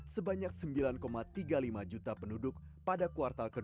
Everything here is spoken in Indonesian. sebanyak sembilan tiga puluh lima juta penduduk pada kuartal ke dua puluh